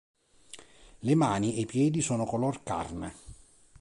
Le mani e i piedi sono color carne.